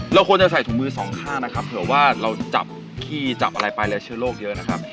เราควรจะใส่ถุงมือสองข้างนะครับเผื่อว่าเราจับขี้จับอะไรไปแล้วเชื้อโรคเยอะนะครับ